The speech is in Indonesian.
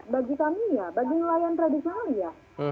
bagi kami ya bagi nelayan tradisional ya